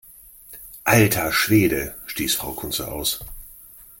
Alter Schwede!, stieß Frau Kunze aus.